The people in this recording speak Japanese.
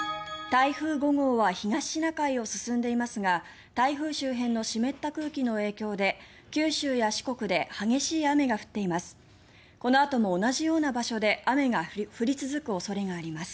台風５号は東シナ海を進んでいますが台風周辺の湿った空気の影響で九州や四国で激しい雨が降っています。